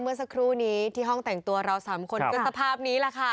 เมื่อสักครู่นี้ที่ห้องแต่งตัวเราสามคนก็สภาพนี้แหละค่ะ